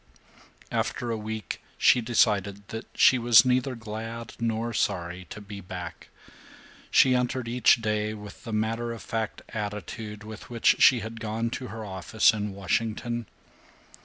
After a week she decided that she was neither glad nor sorry to be back. She entered each day with the matter of fact attitude with which she had gone to her office in Washington.